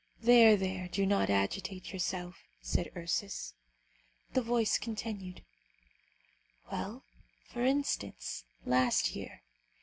"There, there, do not agitate yourself," said Ursus. The voice continued, "Well, for instance; last year.